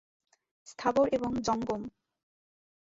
স্থাবর এবং জঙ্গম।